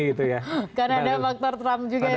karena ada faktor trump juga itu ya